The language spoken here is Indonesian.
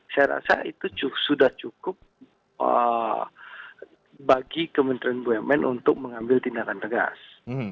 saya rasa itu sudah cukup bagi kementerian bumn untuk mengambil tindakan tegas